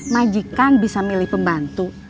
majikan bisa milih pembantu